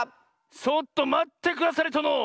ちょっとまってくだされとの！